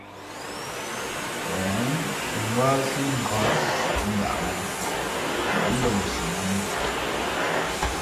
Pěn si yúάsí ngα̌k ngaʼ ghoo, ngα̌ lαhsi yī.